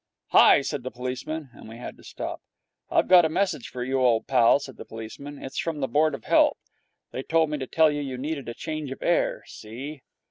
'Hi!' said the policeman, and we had to stop. 'I've got a message for you, old pal,' said the policeman. 'It's from the Board of Health. They told me to tell you you needed a change of air. See?'